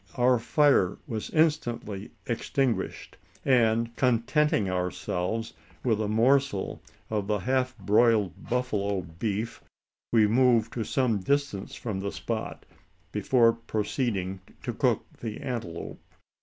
Our fire was instantly extinguished; and, contenting ourselves with a morsel of the half broiled buffalo beef, we moved to some distance from the spot, before proceeding, to cook the antelope.